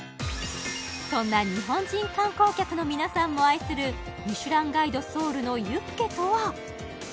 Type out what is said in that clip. そんな日本人観光客の皆さんも愛する「ミシュランガイドソウル」のユッケとは？